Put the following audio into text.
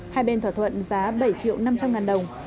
hai bên thỏa thuận giá bảy triệu năm trăm linh ngàn đồng